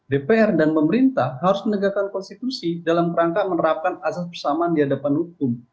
dpr dan pemerintah harus menegakkan konstitusi dalam kerangka menerapkan azas bersamaan di hadapan hukum